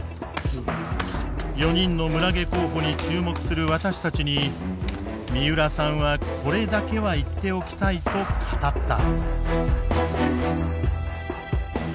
４人の村下候補に注目する私たちに三浦さんはこれだけは言っておきたいと語った。